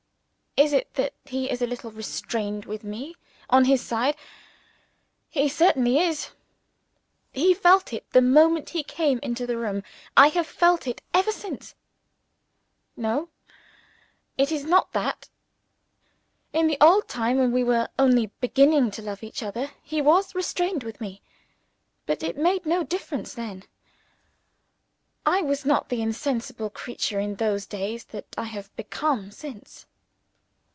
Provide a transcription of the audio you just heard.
Is it that he is a little restrained with me on his side? He certainly is! I felt it the moment he came into the room I have felt it ever since. No: it is not that. In the old time, when we were only beginning to love each other, he was restrained with me. But it made no difference then. I was not the insensible creature in those days that I have become since.